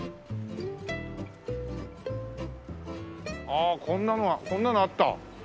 ああこんなのがこんなのあった？